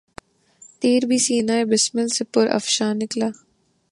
تیر بھی سینہٴ بسمل سے پرافشاں نکلا